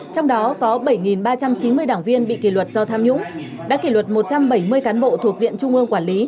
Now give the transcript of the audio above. trong đó có bảy ba trăm chín mươi đảng viên bị kỷ luật do tham nhũng đã kỷ luật một trăm bảy mươi cán bộ thuộc diện trung ương quản lý